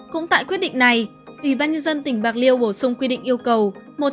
cũng tại quyết định này ubnd tỉnh bạc liêu bổ sung quy định yêu cầu